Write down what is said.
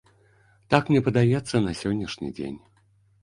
Так мне падаецца на сённяшні дзень.